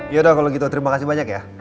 yaudah kalau gitu terima kasih banyak ya